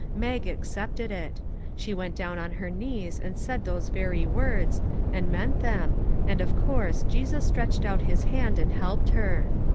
Mag accepted it. She went down on her knees and said those very words, and meant them, and, of course, Jesus stretched out his hand and helped her.